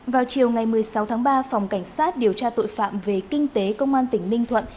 vào chiều ngày một mươi sáu tháng ba phòng cảnh sát điều tra tội phạm về kinh tế công an tỉnh ninh thuận